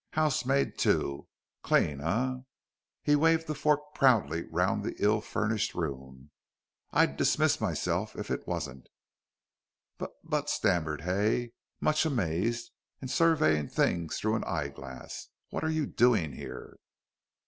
Housemaid too. Clean, eh?" He waved the fork proudly round the ill furnished room. "I'd dismiss myself if it wasn't." "But but," stammered Hay, much amazed, and surveying things through an eye glass. "What are you doing here?"